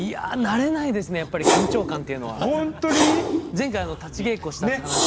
前回立ち稽古したっていう話も。